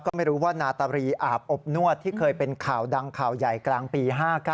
ก็ไม่รู้ว่านาตารีอาบอบนวดที่เคยเป็นข่าวดังข่าวใหญ่กลางปี๕๙